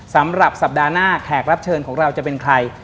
สำหรับสัปดาห์หน้าแขกรับเชิญของเราจะเป็นใคร